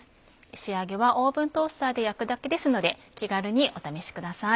仕上げはオーブントースターで焼くだけですので気軽にお試しください。